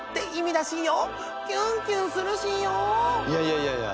いやいやいやいや。